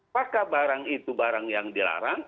apakah barang itu barang yang dilarang